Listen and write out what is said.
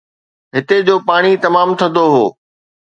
هتي جو پاڻي تمام ٿڌو هو.